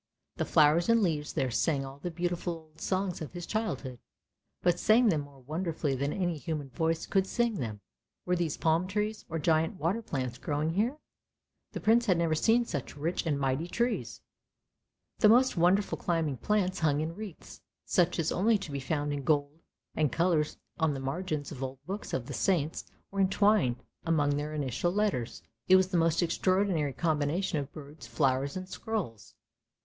The flowers and leaves there sang all the beautiful old songs of his childhood, but sang them more wonderfully than any human voice could sing them. Were these palm trees or giant water plants growing here? The Prince had never seen such rich and mighty trees. The most wonderful climbing plants hung in wreaths, such as are only to be found in gold and colours on the margins of old books of the Saints or entwined among their initial letters. It was the most extraordinary combination of birds, flowers, and scrolls.